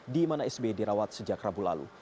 di mana sb dirawat sejak rabu lalu